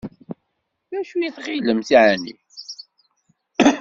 D acu i tɣilemt εni?